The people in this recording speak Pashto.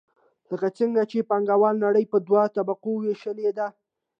لکه څنګه چې پانګواله نړۍ په دوو طبقو ویشلې ده.